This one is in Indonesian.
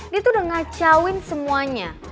dia tuh udah ngacauin semuanya